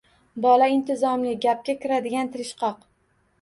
Bola intizomli, gapga kiradigan, tirishqoq.